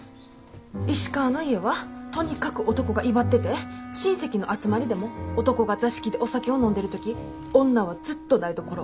石川の家はとにかく男が威張ってて親戚の集まりでも男が座敷でお酒を飲んでる時女はずっと台所。